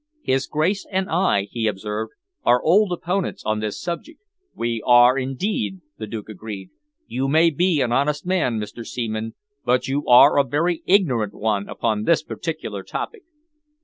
"His Grace and I," he observed, "are old opponents on this subject." "We are indeed," the Duke agreed. "You may be an honest man, Mr. Seaman, but you are a very ignorant one upon this particular topic."